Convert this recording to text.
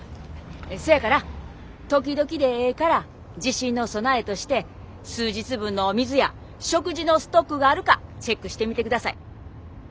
そやから時々でええから地震の備えとして数日分のお水や食事のストックがあるかチェックしてみてください。